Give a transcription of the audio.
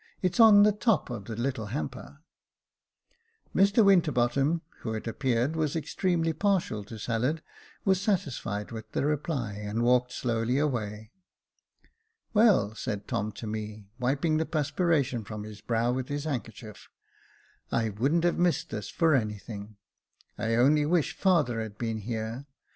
It's on the top of the little hamper." Mr Winterbottom, who it appears was extremely partial to salad, was satisfied with the reply, and walked slowly away. " Well," said Tom to me, wiping the perspiration from his brow with his handkerchief, " I wouldn't have missed this for anything. I only wish father had been here.